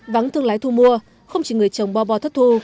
vắng thương lái thu mua không chỉ người trồng bò bò thất thu